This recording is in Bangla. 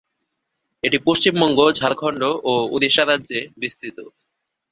এটি পশ্চিমবঙ্গ, ঝাড়খন্ড ও ওড়িশা রাজ্যে বিস্তৃত।